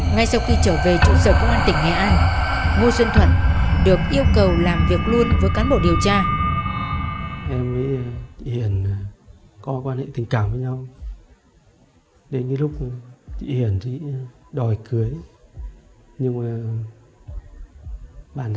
ngay sau khi trở về trụ sở công an tỉnh nghệ an ngô xuân thuận được yêu cầu làm việc luôn với cán bộ điều tra